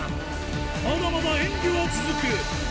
まだまだ演技は続く